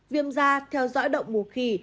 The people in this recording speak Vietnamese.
viêm da theo dõi động mùa khỉ